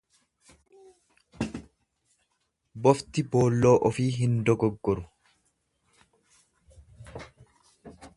Bofti boolloo ofii hin dogoggoru.